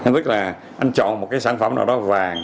tức là anh chọn một cái sản phẩm nào đó vàng